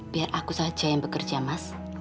biar aku saja yang bekerja mas